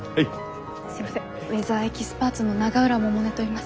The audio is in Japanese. すいませんウェザーエキスパーツの永浦百音といいます。